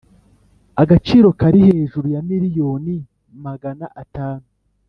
Agaciro kari hejuru ya miliyoni magana atanu